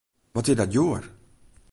Wat is dat djoer!